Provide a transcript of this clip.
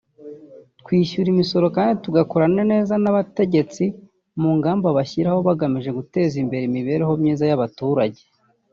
twishyura imisoro kandi dukorana neza n’abategetsi mu ngamba bashyiraho bagamije guteza imbere imibereho myiza y’abaturage